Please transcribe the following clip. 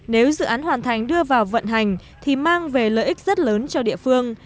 nếu dự án hoàn thành đưa vào vận hành thì mang về lợi ích rất lớn cho địa phương